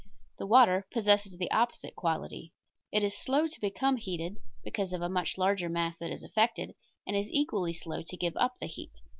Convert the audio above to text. The water possesses the opposite quality. It is slow to become heated, because of a much larger mass that is affected, and is equally slow to give up the heat.